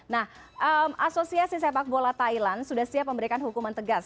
nah asosiasi sepak bola thailand sudah siap memberikan hukuman tegas